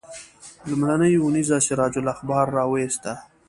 لومړۍ اونیزه سراج الاخبار راوویسته.